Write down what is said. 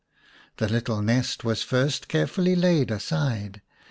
The little nest was first care fully laid aside.